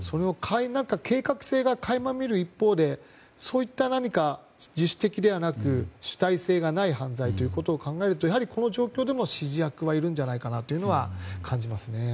計画性が垣間見える一方でそういった自主的ではなく主体性がない犯罪ということを考えると、やはりこの状況でも指示役はいるんじゃないかなというのは感じますね。